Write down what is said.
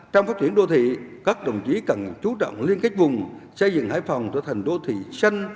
trong phát triển đô thị các đồng chí cần chú trọng liên kết vùng xây dựng hải phòng trở thành đô thị xanh